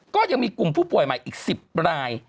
ก็ยังมีกลุ่มผู้ป่วยใหม่อีก๑๐ราย